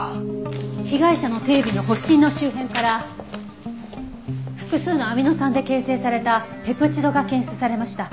被害者の手指の発疹の周辺から複数のアミノ酸で形成されたペプチドが検出されました。